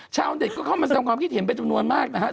ชาวเน็ตก็เข้ามาแสดงความคิดเห็นเป็นจำนวนมากนะครับ